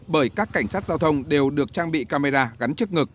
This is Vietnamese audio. bởi các cảnh sát giao thông đều được trang bị camera gắn trước ngực